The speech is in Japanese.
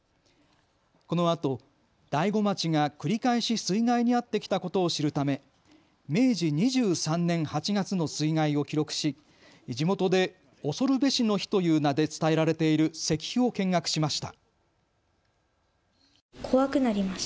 このあと大子町が繰り返し水害に遭ってきたことを知るため明治２３年８月の水害を記録し地元でおそるべしの碑という名で伝えられている石碑を見学しました。